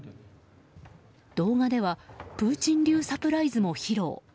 動画ではプーチン流サプライズも披露。